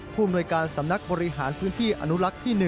อำนวยการสำนักบริหารพื้นที่อนุรักษ์ที่๑